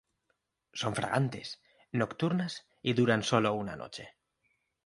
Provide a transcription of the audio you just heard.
Son fragantes, nocturnas y duran una sola noche.